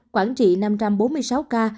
quảng trị năm bốn mươi sáu ca